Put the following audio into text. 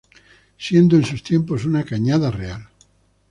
Siendo en sus tiempos una Cañada Real.